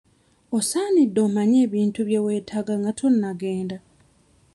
Osaanidde omanye ebintu bye weetaaga nga tonnagenda.